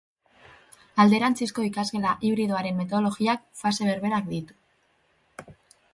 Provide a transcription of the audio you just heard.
Alderantzizko ikasgela hibridoaren metodologiak fase berberak ditu.